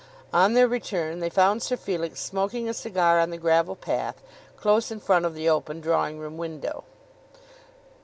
On their return they found Sir Felix smoking a cigar on the gravel path, close in front of the open drawing room window.